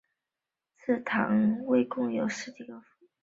至唐末共有十几个府。